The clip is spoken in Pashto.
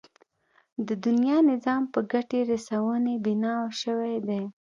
د دنيا نظام په ګټې رسونې بنا شوی دی.